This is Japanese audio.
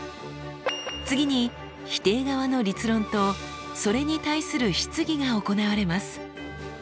次に否定側の立論とそれに対する質疑が行われます。